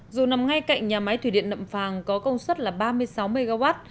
dù nằm ngay cạnh nhà máy thủy điện nậm phàng có công suất là ba mươi sáu mw